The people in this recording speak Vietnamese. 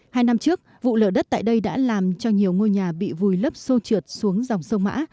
hai năm trước vụ lở đất tại đây đã làm cho nhiều ngôi nhà bị vùi lấp xô trượt xuống dòng sông mã